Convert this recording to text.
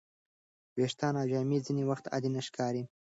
ویښتان او جامې ځینې وخت عادي نه ښکاري.